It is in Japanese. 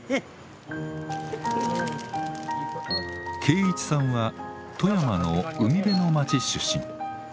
敬一さんは富山の海辺の町出身。